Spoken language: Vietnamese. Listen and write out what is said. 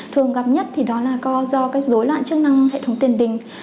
thường gặp nhất thì đó là do các dối loạn chức năng hệ thống tiền đình